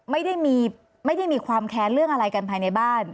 ไม่ได้มีความแค้นเรื่องอะไรกันภายในบ้าน